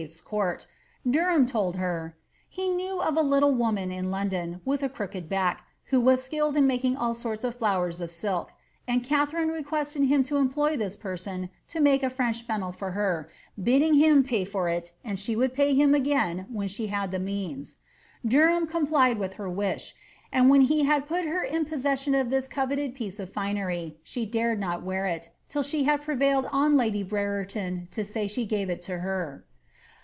's court, Derliam told her ^ he knew of a little woman in London, with a crooked back, who VIS skilled in making all sorts of flowers of silk,'' and Katharine lequested him to employ this person to make a French fennel for her, Udding him pay for it, and she would pay him again when she had the means. Derham complied with her wish, and when he had put her hi poesession of this coveted piece of finery, she dared not wear it, till ihe had prevailed on lady Brereton to say she gave it to her.'